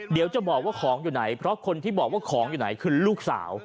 เดี๋ยวจะบอกว่าของอยู่ไหนเพราะคนที่บอกว่าของอยู่ไหนคือลูกสาว